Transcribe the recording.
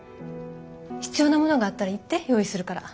必要なものがあったら言って用意するから。